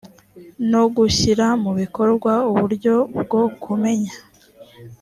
no gushyira mu bikorwa uburyo bwo kumenya